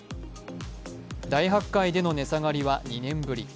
大発会での値下がりは２年ぶり。